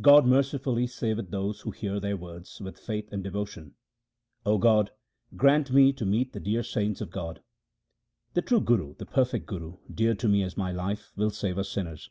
God mercifully saveth those who hear their words with faith and devotion. O God, grant me to meet the dear saints of God. The true Guru, the perfect Guru, dear to me as my life, will save us sinners.